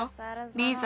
リーザ！